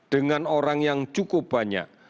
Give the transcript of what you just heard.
dengan orang yang cukup banyak